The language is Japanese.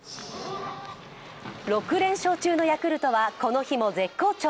６連勝中のヤクルトはこの日も絶好調。